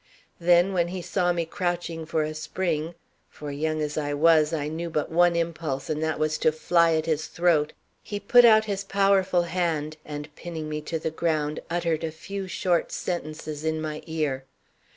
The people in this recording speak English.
Then when he saw me crouching for a spring for, young as I was, I knew but one impulse, and that was to fly at his throat he put out his powerful hand, and pinning me to the ground, uttered a few short sentences in my ear.